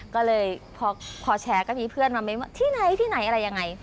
ก็เลยพอแชร์ก็มีเพื่อนมาเม้นว่าที่ไหนที่ไหนอะไรยังไง